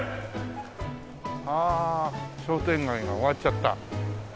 ああ商店街が終わっちゃった。